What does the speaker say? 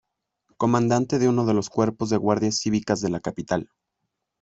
Comandante de uno de los cuerpos de guardias cívicas de la capital.